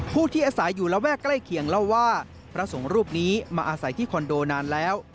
ผู้ที่อาศัยอยู่ระแวกใกล้เคียงเล่าว่าพระสงฆ์รูปนี้มาอาศัยที่คอนโดนานแล้ว